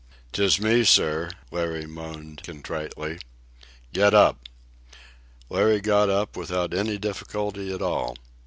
"'Tis me, sir," Larry moaned contritely. "Get up!" Larry got up without any difficulty at all.